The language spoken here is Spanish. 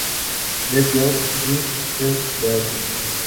New York: Springer-Verlag.